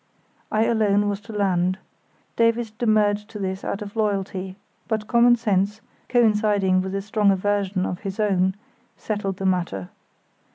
I alone was to land. Davies demurred to this out of loyalty, but common sense, coinciding with a strong aversion of his own, settled the matter.